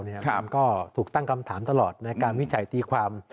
มันก็ถูกตั้งคำถามตลอดในการวิจัยตีความ